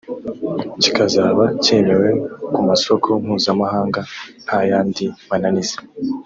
kikazaba cyemewe ku masoko mpuzamahanga nta yandi mananiza